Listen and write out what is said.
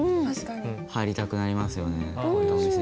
入りたくなりますよね